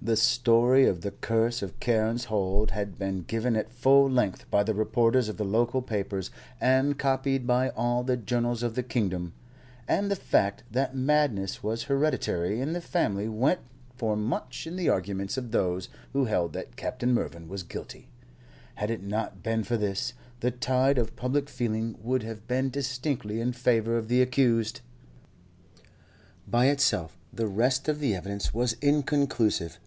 The story of the curse of Carne's Hold had been given at full length by the reporters of the local papers and copied by all the journals of the kingdom, and the fact that madness was hereditary in the family went for much in the arguments of those who held that Captain Mervyn was guilty. Had it not been for this, the tide of public feeling would have been distinctly in favour of the accused. By itself, the rest of the evidence was inconclusive.